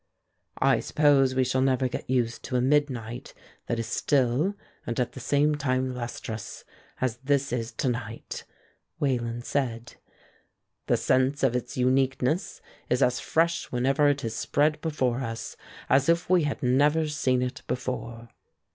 "I suppose we shall never get used to a midnight that is still and at the same time lustrous, as this is to night," Wayland said. "The sense of its uniqueness is as fresh whenever it is spread before us as if we had never seen it before."